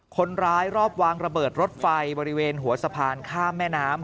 คนร้ายรอบวางระเบิดรถไฟบริเวณหัวสะพานข้ามแม่น้ำ